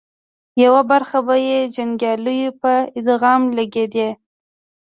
يوه برخه به یې د جنګياليو په ادغام لګېدې